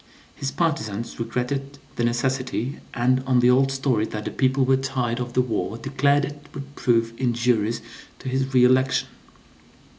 His partizans regretted the necessity, and on the old story that the people were tired of the war declared it would prove injurious to his re election.